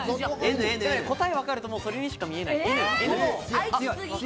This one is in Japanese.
答え分かるとそれにしか見えない。